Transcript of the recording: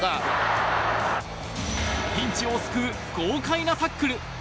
ピンチを救う豪快なタックル。